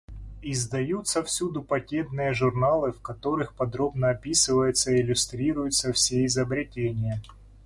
Издаются всюду патентные журналы, в которых подробно описываются и иллюстрируются все изобретения.